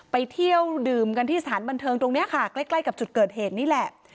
ไปเที่ยวดื่มกันที่สถานบันเทิงตรงนี้ค่ะใกล้ใกล้กับจุดเกิดเหตุนี่แหละ